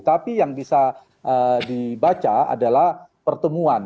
tapi yang bisa dibaca adalah pertemuan